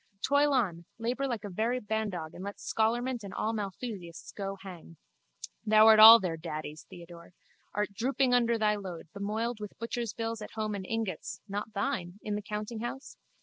Toil on, labour like a very bandog and let scholarment and all Malthusiasts go hang. Thou art all their daddies, Theodore. Art drooping under thy load, bemoiled with butcher's bills at home and ingots (not thine!) in the countinghouse?